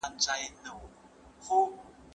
ماشومان په شنه واښه کې په خوښۍ لوبې کوي.